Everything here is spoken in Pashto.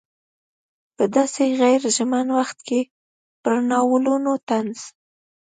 په داسې غیر ژمن وخت کې پر ناولونو طنز.